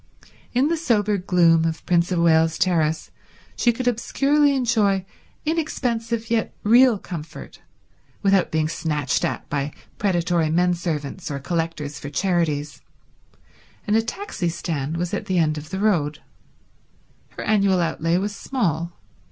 In the sober gloom of Prince of Wales Terrace she could obscurely enjoy inexpensive yet real comfort, without being snatched at by predatory men servants or collectors for charities, and a taxi stand was at the end of the road. Her annual outlay was small.